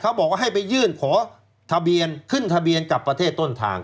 เขาบอกว่าให้ไปยื่นขอทะเบียนขึ้นทะเบียนกับประเทศต้นทาง